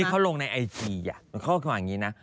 นี่เขาลงในไอจีอ่ะเขาก็ว่าอย่างงี้นะ